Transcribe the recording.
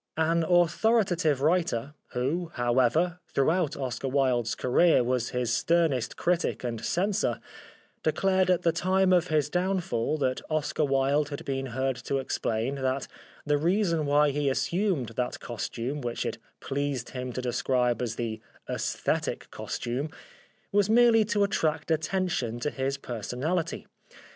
An authoritative writer, who, however, throughout Oscar Wilde's career was his sternest critic and censor, declared at the time of his downfall that Oscar Wilde had been heard to explain that the reason why he assumed that costume which it pleased him to describe as the " aesthetic costume " was merely to attract at tention to his personality.